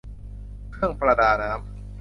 เครื่องประดาน้ำ